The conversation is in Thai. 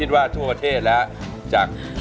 สวัสดีครับคุณหน่อย